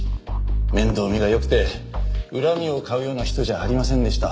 面倒見が良くて恨みを買うような人じゃありませんでした。